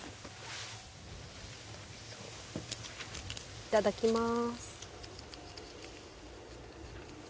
いただきます。